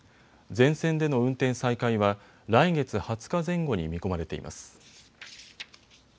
全線での運転再開は来月２０日前後に見込まれています。